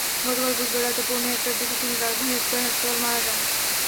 গতকাল বুধবার রাত পৌনে একটার দিকে তিনি রাজধানীর স্কয়ার হাসপাতালে মারা যান।